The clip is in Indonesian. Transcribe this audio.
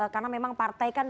karena memang partai kan